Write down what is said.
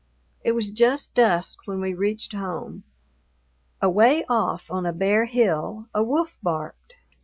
It was just dusk when we reached home. Away off on a bare hill a wolf barked.